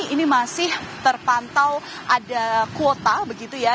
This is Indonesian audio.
ini masih terpantau ada kuota begitu ya